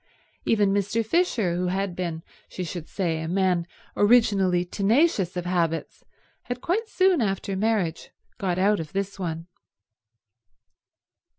Even Mr. Fisher, who had been, she should say, a man originally tenacious of habits, had quite soon after marriage got out of this one.